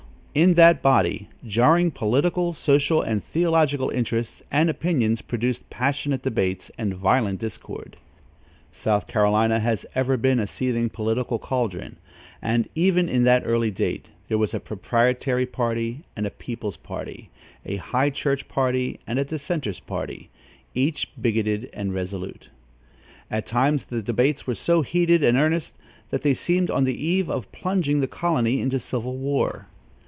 In that body, jarring political, social and theological interests and opinions produced passionate debates and violent discord. South Carolinia has ever been a seething political caldron, and, even in that early date, there was a proprietary party and a people's party, a high church party and a dissenters' party, each bigoted and resolute. At times, the debates were so heated and earnest, that they seemed on the eve of plunging the colony into civil war.